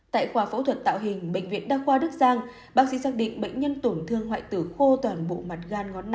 tại khoa phẫu thuật tạo hình bệnh viện đa khoa đức giang bác sĩ xác định bệnh nhân tổn thương hoại tử khô toàn bộ mặt gan ngón năm